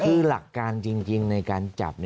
คือหลักการจริงในการจับ